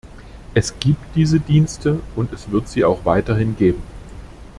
Es gibt diese Dienste, und es wird sie auch weiterhin geben.